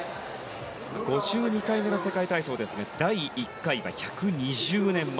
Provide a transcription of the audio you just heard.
５２回目の世界体操ですが第１回が１２０年前。